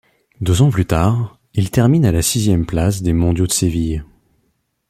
Deux ans plus tard, il termine à la sixième place des mondiaux de Séville.